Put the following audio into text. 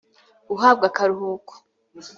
guhabwa akaruhuko